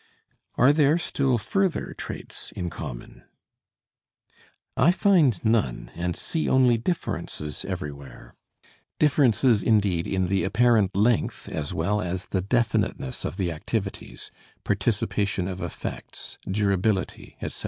Are there still further traits in common? I find none, and see only differences everywhere, differences indeed in the apparent length as well as the definiteness of the activities, participation of effects, durability, etc.